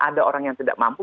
ada orang yang tidak mampu